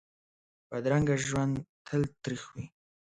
بدرنګه ژوند تل تریخ وي